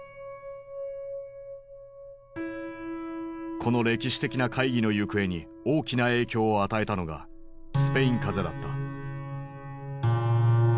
この歴史的な会議の行方に大きな影響を与えたのがスペイン風邪だった。